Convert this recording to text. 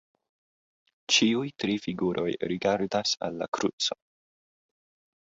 Ĉiuj tri figuroj rigardas al la kruco.